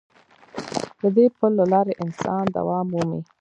د دې پل له لارې انسان دوام مومي.